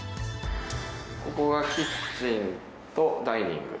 ここがキッチンとダイニング。